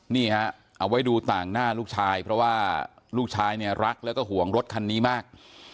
นี่ฮะเอาไว้ดูต่างหน้าลูกชายเพราะว่าลูกชายเนี่ยรักแล้วก็ห่วงรถคันนี้มาก